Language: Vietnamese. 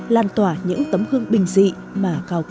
lan tỏa những tấm hương bình dị mà cao quý